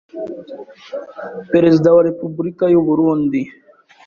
Perezide we Repubulike y’u Burunndi